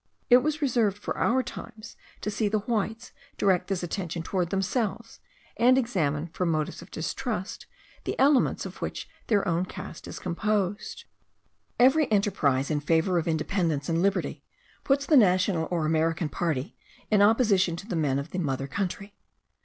It was reserved for our times to see the whites direct this attention towards themselves; and examine, from motives of distrust, the elements of which their own caste is composed. Every enterprise in favour of independence and liberty puts the national or American party in opposition to the men of the mother country.